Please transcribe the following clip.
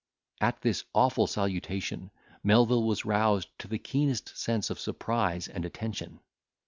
At this awful salutation, Melvil was roused to the keenest sense of surprise and attention.